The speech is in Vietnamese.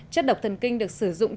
chất độc thần kinh được sử dụng